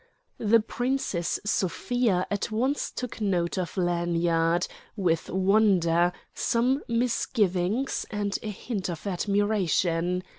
The Princess Sofia at once took note of Lanyard, with wonder, some misgivings, and a hint of admiration.